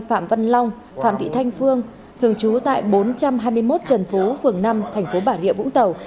phạm văn long phạm thị thanh phương thường trú tại bốn trăm hai mươi một trần phú phường năm thành phố bà rịa vũng tàu